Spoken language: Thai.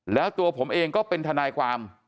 แล้วตัวผมเองก็เป็นทนายความ